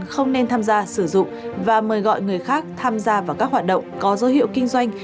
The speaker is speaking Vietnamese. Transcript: không nên tham gia sử dụng và mời gọi người khác tham gia vào các hoạt động có dấu hiệu kinh doanh